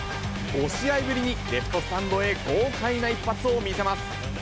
５試合ぶりにレフトスタンドに豪快な一発を見せます。